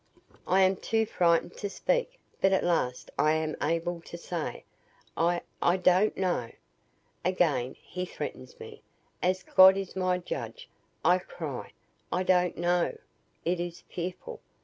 "I am too frightened to speak. But at last I am able to say, 'I I don't know!' Again he threatens me. 'As God is my judge,' I cry, 'I don't know.' It is fearful.